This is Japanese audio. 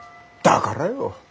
だからよ